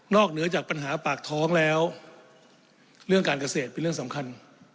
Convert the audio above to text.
เหนือจากปัญหาปากท้องแล้วเรื่องการเกษตรเป็นเรื่องสำคัญ